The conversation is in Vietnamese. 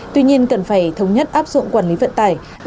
tuy nhiên cần phải thống nhất áp dụng quản lý vận tải